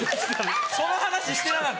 その話してなかった。